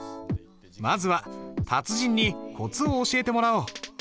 まずは達人にコツを教えてもらおう。